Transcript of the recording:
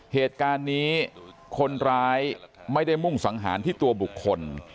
เหตุการณ์นี้คนร้ายไม่ได้มุ่งสังหารที่ตัวบุคคล